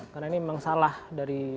karena ini memang salah dari